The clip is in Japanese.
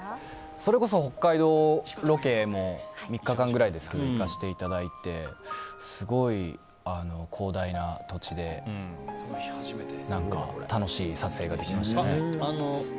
それこそ、北海道ロケも３日間ぐらいですけど行かせていただいてすごい広大な土地で楽しい撮影ができました。